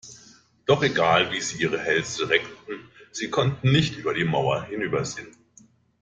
Doch egal, wie sie ihre Hälse reckten, sie konnten nicht über die Mauer hinübersehen.